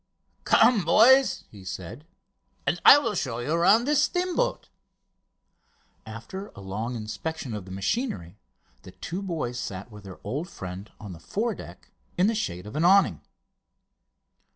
"Come, boys!" he said, "and I will show you round this steam boat." After a long inspection of the machinery the two boys sat with their old friend on the foredeck in the shade of an awning.